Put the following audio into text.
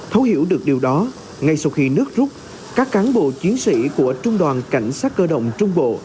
thấu hiểu được điều đó ngay sau khi nước rút các cán bộ chiến sĩ của trung đoàn cảnh sát cơ động trung bộ